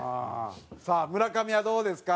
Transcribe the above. さあ村上はどうですか？